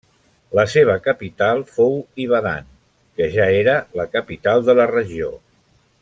La seva capital fou Ibadan, que ja era la capital de la regió.